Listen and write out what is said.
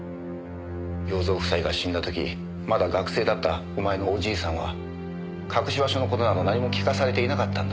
洋蔵夫妻が死んだ時まだ学生だったお前のおじいさんは隠し場所の事など何も聞かされていなかったんだ。